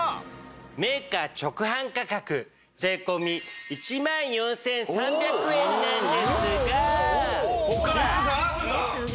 メーカー直販価格税込１万４３００円なんですが。ですが？ですが。